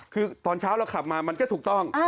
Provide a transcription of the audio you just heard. คือตอนเช้าเราขับมามันก็ถูกต้อง